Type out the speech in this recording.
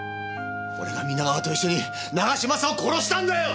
俺が皆川と一緒に永嶋さんを殺したんだよ！